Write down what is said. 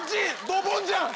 ドボンじゃん！